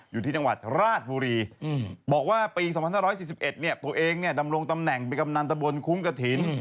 อยู่ที่จังหวัดราชบุรีบอกว่าปี๒๕๔๑ตัวเองดำรงตำแหน่งเป็นกำนันตะบนคุ้งกระถิ่น